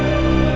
apakah salah dok